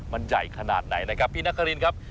มันใหญ่ขนาดไหนนะครับพี่นครินครับ